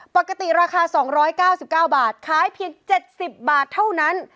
ปกติราคา๒๙๙บาทขายเพียง๗๐บาทเท่านั้น